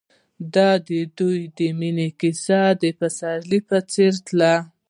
د دوی د مینې کیسه د پسرلی په څېر تلله.